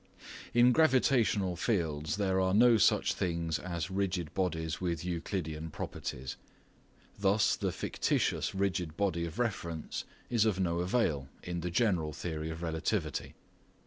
In gravitational fields there are no such things as rigid bodies with Euclidean properties; thus the fictitious rigid body of reference is of no avail in the general theory of relativity.